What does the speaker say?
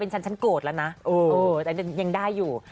เป็นฉันฉันโกรธรนะแล้วแต่ยังได้อยู่